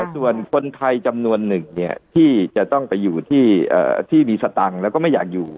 ส่วนคนไทยจำนวนหนึ่งที่จะต้องไปอยู่ที่มีสตังค์แล้วก็ไม่อยากอยู่